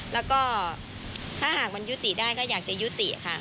แล้วก็ถ้าหากมันยุติได้ก็อยากจะยุติค่ะ